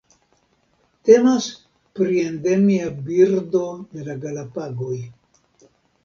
Temas pri endemia birdo de la Galapagoj.